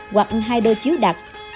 hoặc hai đôi chiếu đặc